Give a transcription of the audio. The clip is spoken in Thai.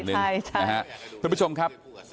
คุณผู้ชมครับ